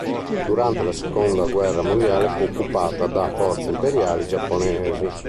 Durante la seconda guerra mondiale fu occupata da forze imperiale giapponesi.